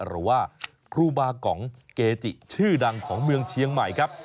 หรือว่าครูบากองเกจิชื่อดังของเมืองเชียงใหม่ครับ